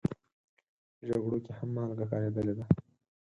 په جګړو کې هم مالګه کارېدلې ده.